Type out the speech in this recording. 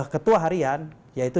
ketua harian yaitu